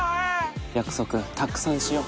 約束たくさんしよう